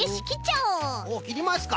おっきりますか。